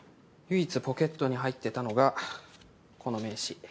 唯一ポケットに入ってたのがこの名刺。